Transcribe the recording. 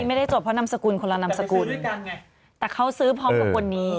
ไม่ได้จดเพราะนามสกุลคนละนามสกุลแต่เขาซื้อพร้อมกับคนนี้